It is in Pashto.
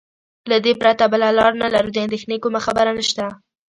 له دې پرته بله لار نه لرو، د اندېښنې کومه خبره نشته.